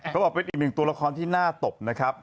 เขาบอกเป็นอีกหนึ่งตัวละครที่น่าตบนะครับ